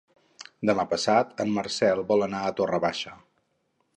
Demà passat en Marcel vol anar a Torre Baixa.